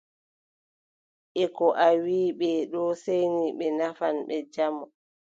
E ko a wii ɓe ɗo seeyni ɓe nafan ɓe jamu.